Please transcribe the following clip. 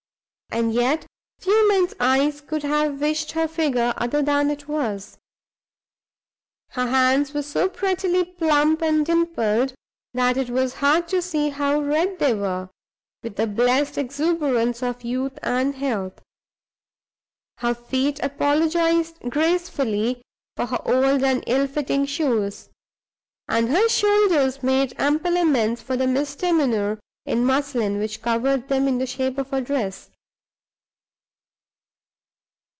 And yet few men's eyes would have wished her figure other than it was. Her hands were so prettily plump and dimpled that it was hard to see how red they were with the blessed exuberance of youth and health. Her feet apologized gracefully for her old and ill fitting shoes; and her shoulders made ample amends for the misdemeanor in muslin which covered them in the shape of a dress.